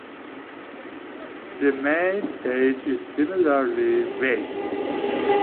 The main page is similarly vague.